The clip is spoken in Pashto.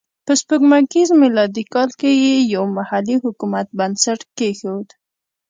په سپوږمیز میلادي کال کې یې یو محلي حکومت بنسټ کېښود.